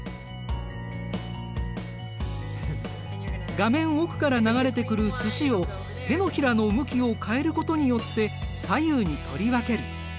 画面奥から流れてくるすしを手のひらの向きを変えることによって左右に取り分ける。